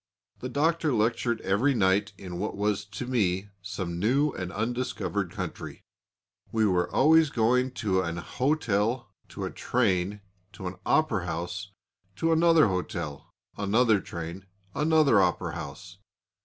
The Doctor lectured every night in what was to me some new and undiscovered country. We were always going to an hotel, to a train, to an opera house, to another hotel, another train, another opera house.